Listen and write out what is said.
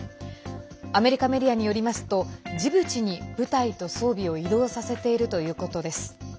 アメリカメディアによりますとジブチに部隊と装備を移動させているということです。